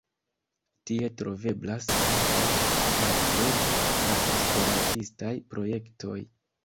Tie troveblas ankaŭ manpleno da esperantistaj projektoj.